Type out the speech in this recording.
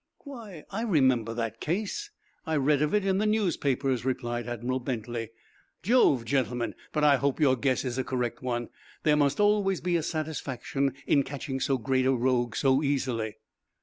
"Why, I remember that case. I read of it in the newspapers," replied Admiral Bentley. "Jove, gentlemen, but I hope your guess is a correct one. There must always be a satisfaction in catching so great a rogue so easily."